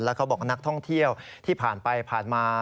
เขาบอกนักท่องเที่ยวที่ผ่านไปผ่านมา